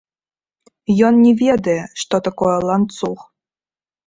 Ён не ведае, што такое ланцуг.